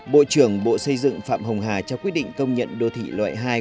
bộ trưởng bộ xây dựng phạm hồng hà trao quyết định công nhận đô thị loại hai